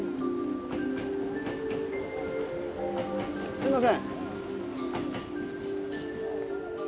すみません。